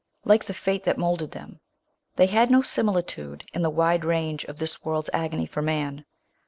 Like the fate that moulded them, they had.no si militude in the wide range of this .world's agony for man.